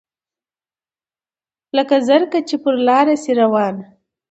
لکه زرکه چي پر لاره سي روانه